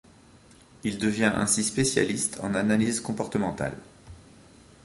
Il devient ainsi spécialiste en analyse comportementale.